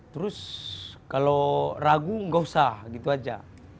terus kalau ragu nggak usah gitu aja